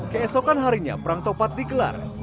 keesokan harinya perang tupat digelar